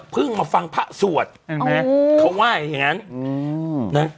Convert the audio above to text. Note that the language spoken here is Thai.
พึ่งมาฟังพระสวดเขาว่าอย่างงั้น